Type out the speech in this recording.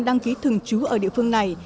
đăng ký thường trú ở địa phương này